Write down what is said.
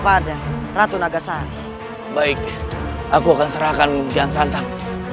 aku akan serahkan kemudian santan